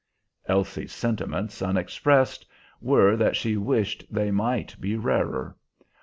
Elsie's sentiments, unexpressed, were that she wished they might be rarer.